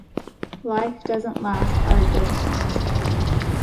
Life doesn't last; art doesn't last.